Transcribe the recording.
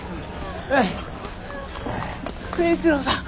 誠一郎さん！